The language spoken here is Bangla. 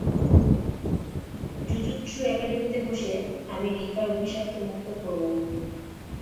জুজুৎসু একাডেমীতে বসে, আমি রিকার অভিশাপকে মুক্ত করবো।